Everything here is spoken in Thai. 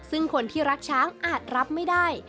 ซึ่งคนที่รักช้างอาจรับไม่ได้